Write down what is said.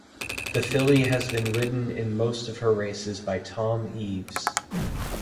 The filly has been ridden in most of her races by Tom Eaves.